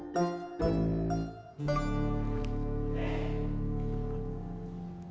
yang menurut meskipun